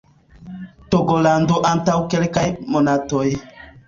Togolando antaŭ kelkaj monatoj